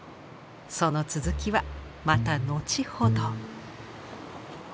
その続きはまた後ほど。